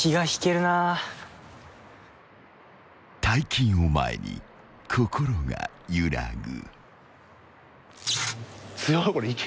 ［大金を前に心が揺らぐ］